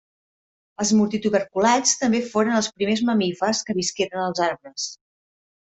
Els multituberculats també foren els primers mamífers que visqueren als arbres.